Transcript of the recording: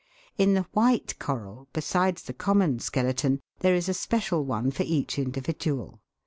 In the white coral, besides the common skeleton, there is a special one for each individual.